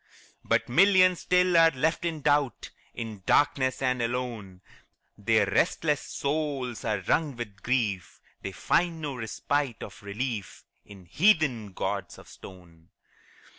But millions still are left in doubt, In darkness and alone; Their restless souls are wrung with grief, They find no respite or relief In heathen gods of stone.